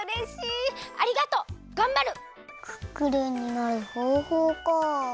クックルンになるほうほうか。